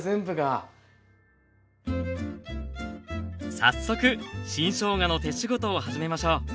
早速新しょうがの手仕事を始めましょう。